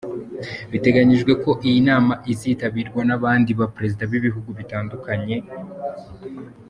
Biteganyijwe ko iyi nama izitabirwa n’abandi ba Perezida b’ibihugu bitandukabye.